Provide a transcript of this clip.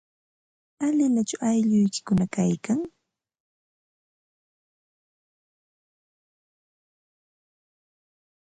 ¿Alilachu aylluykikuna kaykan?